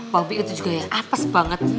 pembi itu juga ya apes banget